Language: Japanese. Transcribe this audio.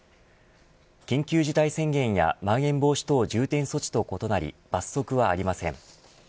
緊急事態宣言やまん延防止等重点措置と異なり罰則はありません。